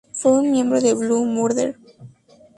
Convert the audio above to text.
Fue un miembro de Blue Murder.